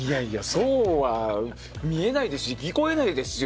そうは見えないですし聞こえないですよ。